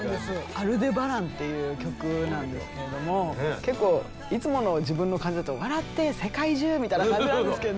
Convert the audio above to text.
「アルデバラン」っていう曲なんですけれども結構いつもの自分の感じだと「笑って世界中」みたいな感じなんですけど。